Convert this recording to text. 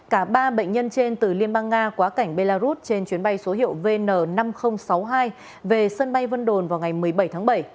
cả ba bệnh nhân trên từ liên bang nga quá cảnh belarus trên chuyến bay số hiệu vn năm nghìn sáu mươi hai về sân bay vân đồn vào ngày một mươi bảy tháng bảy